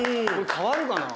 変わるかな？